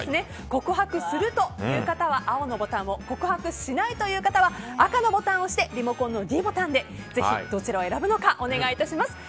告白するという方は青のボタンを告白しないという方は赤のボタンを押してリモコンのｄボタンでぜひどちらを選ぶのかお願いいたします。